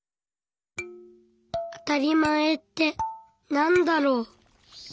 「あたりまえってなんだろう」。